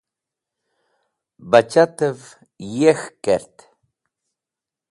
Bachatev yek̃hk kert.